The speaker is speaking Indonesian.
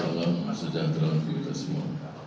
salam sejahtera untuk kita semua